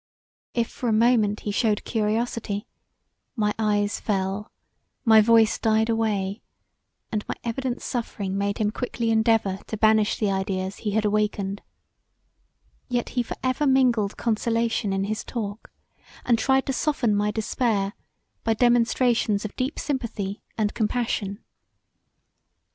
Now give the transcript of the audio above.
If for a moment he shewed curiosity, my eyes fell, my voice died away and my evident suffering made him quickly endeavour to banish the ideas he had awakened; yet he for ever mingled consolation in his talk, and tried to soften my despair by demonstrations of deep sympathy and compassion.